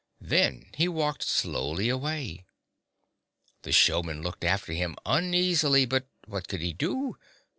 Then he walked slowly away. The showman looked after him uneasily, but what could he do?